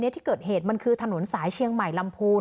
ที่เกิดเหตุมันคือถนนสายเชียงใหม่ลำพูน